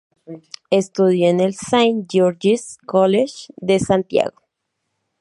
Estudió en el Saint George's College de Santiago.